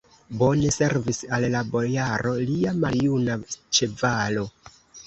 Bone servis al la bojaro lia maljuna ĉevalo!